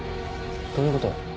どういうこと？